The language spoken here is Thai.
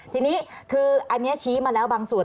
ทีนี้คืออันนี้ชี้มาแล้วบางส่วน